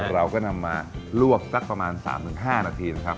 เราก็นำมาลวกสักประมาณ๓๕นาทีนะครับ